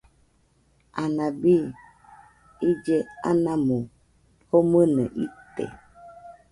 Anabi ille anamo, komɨnɨ ite.